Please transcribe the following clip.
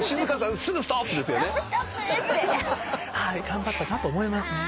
頑張ったなと思いますね。